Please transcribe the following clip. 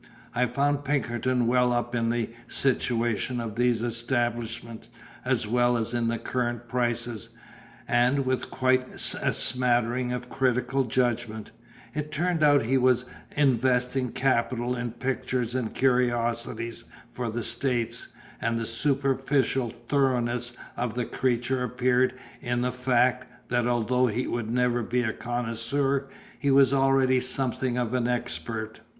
I found Pinkerton well up in the situation of these establishments as well as in the current prices, and with quite a smattering of critical judgment; it turned out he was investing capital in pictures and curiosities for the States, and the superficial thoroughness of the creature appeared in the fact, that although he would never be a connoisseur, he was already something of an expert.